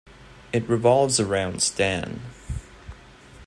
It revolves around Stan.